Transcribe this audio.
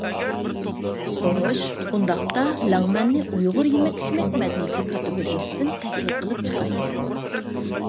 خوش، ئۇنداقتا لەڭمەننى ئۇيغۇر يېمەك-ئىچمەك مەدەنىيىتى كاتېگورىيەسىدىن تەھلىل قىلىپ چىقايلى.